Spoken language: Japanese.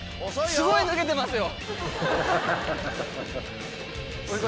すごい脱げてますよ。